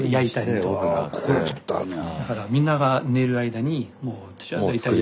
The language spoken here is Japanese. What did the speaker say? ここで作ってはるのや。